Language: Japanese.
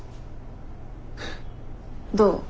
どう？